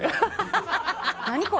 何これ？